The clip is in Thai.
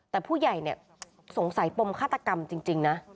แต่ผู้ใหญ่สงสัยปมฆาตกรรมจริงนะ